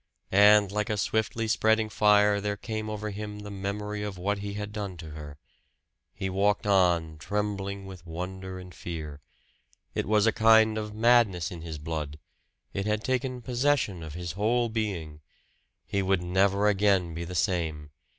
And like a swiftly spreading fire there came over him the memory of what he had done to her; he walked on, trembling with wonder and fear. It was a kind of madness in his blood. It had taken possession of his whole being he would never again be the same!